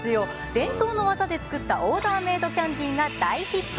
伝統の技で作ったオーダーメードキャンディーが大ヒット。